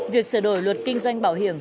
việc sửa đổi luật kinh doanh bảo hiểm